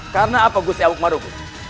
karena apa gusya awugmarubu